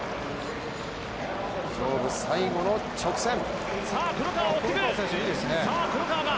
勝負最後の直線。